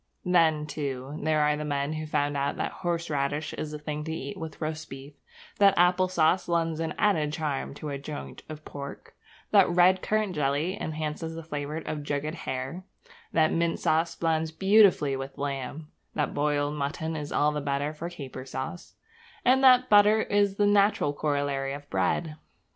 Then, too, there are the men who found out that horseradish is the thing to eat with roast beef; that apple sauce lends an added charm to a joint of pork; that red currant jelly enhances the flavour of jugged hare; that mint sauce blends beautifully with lamb; that boiled mutton is all the better for caper sauce; and that butter is the natural corollary of bread.